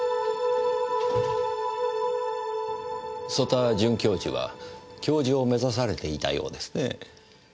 曽田准教授は教授を目指されていたようですね。